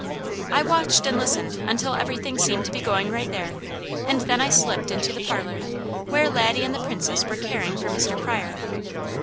I watched and listened until everything seemed to be going right there, and then I slipped into the parlour, where Laddie and the Princess were caring for Mr. Pryor.